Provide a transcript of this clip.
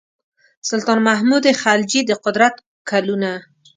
سلطان محمود خلجي د قدرت کلونه.